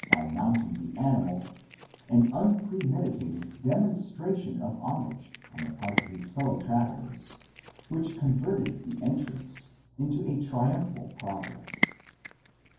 by mounting the animal, an unpremeditated demonstration of homage on the part of his fellow travellers, which converted the entrance into a triumphal progress.